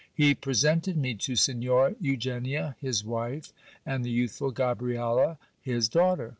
He presented me to Signora Eugenia his wife, and the youthful Gabriela his daughter.